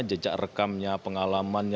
jejak rekamnya pengalamannya